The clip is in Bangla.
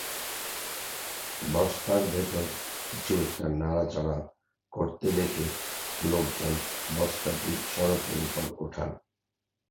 বস্তার ভেতর কিছু একটা নড়াচড়া করতে দেখে লোকজন বস্তাটি সড়কের ওপর ওঠান।